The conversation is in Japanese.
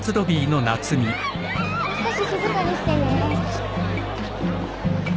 もう少し静かにしてね。